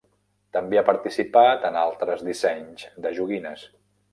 També ha participat en altres dissenys de joguines.